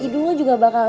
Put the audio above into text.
hidung lo juga bakal